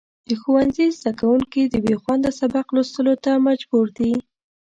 د ښوونځي زدهکوونکي د بېخونده سبق لوستلو ته مجبور دي.